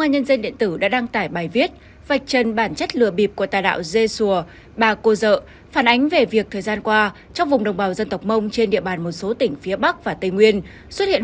hãy đăng ký kênh để ủng hộ kênh của chúng mình nhé